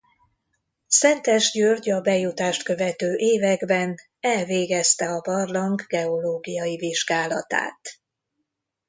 Szentes György a bejutást követő években elvégezte a barlang geológiai vizsgálatát.